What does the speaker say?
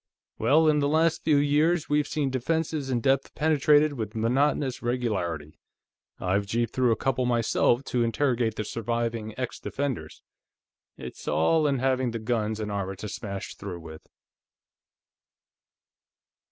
"Well, in the last few years, we've seen defenses in depth penetrated with monotonous regularity. I've jeeped through a couple, myself, to interrogate the surviving ex defenders. It's all in having the guns and armor to smash through with."